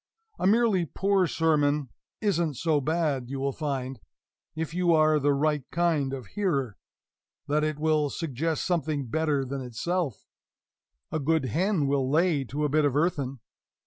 A merely poor sermon isn't so bad; you will find, if you are the right kind of a hearer, that it will suggest something better than itself; a good hen will lay to a bit of earthen.